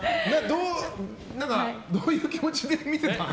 どういう気持ちで見てたの？